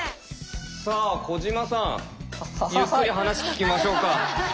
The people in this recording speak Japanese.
さあ小島さんゆっくり話聞きましょうか。ははい。